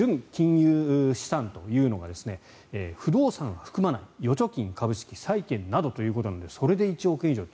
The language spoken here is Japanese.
融資産というのが不動産は含まない預貯金、株式、債券などということでそれで１億円以上。